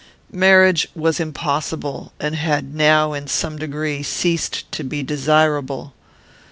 Marriage was impossible; and had now, in some degree, ceased to be desirable.